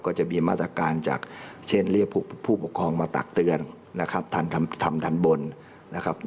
ก็จะมีมาตรการจากเช่นเรียกผู้ปกครองมาตักเตือนนะครับทันทำทันบนนะครับ